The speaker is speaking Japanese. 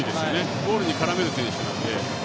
ゴールに絡める選手なので。